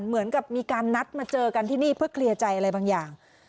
เหมือนกับมีการนัดมาเจอกันที่นี่เพื่อเคลียร์ใจอะไรบางอย่าง